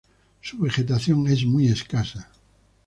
Su vegetación es muy escasa.